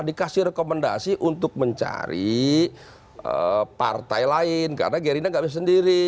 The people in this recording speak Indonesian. dikasih rekomendasi untuk mencari partai lain karena gerindra nggak bisa sendiri